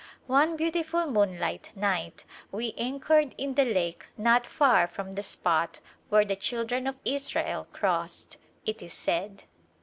One beautiful moonlight night we anchored in the lake not far from the spot where the children of Israel crossed, // is said.